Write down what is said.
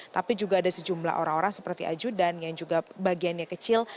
tapi juga ada sejumlah orang orang seperti ajudan yang juga bagiannya kecil